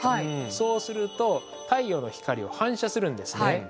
そうすると太陽の光を反射するんですね。